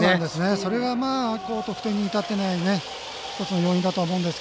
それが得点に至っていない１つの要因だと思うんですが。